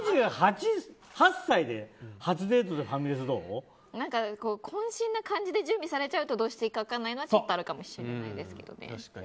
２８歳で初デートで渾身な感じで準備されちゃうとどうしていいか分からないなっていうのはちょっとあるかもしれないです。